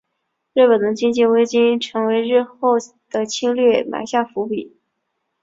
日本的经济危机成为日后的侵略埋下伏笔。